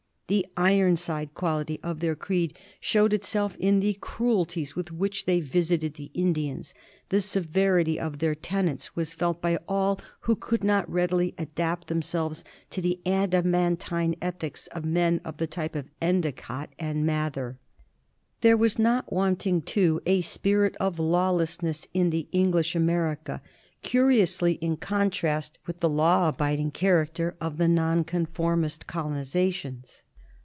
The Ironside quality of their creed showed itself in the cruelties with which they visited the Indians; the severity of their tenets was felt by all who could not readily adapt themselves to the ada mantine ethics of men of the type of Endicott and Mather, There was not wanting, too, a spirit of lawlessness in the English America, curiously in contrast with the law abiding character of the Non conformist colonizations.